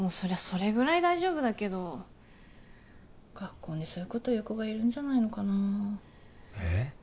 それぐらい大丈夫だけど学校にそういうこと言う子がいるんじゃないのかなえっ？